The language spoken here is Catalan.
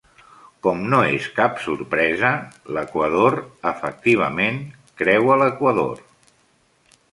Com no és cap sorpresa, l'equador efectivament creua l'Equador.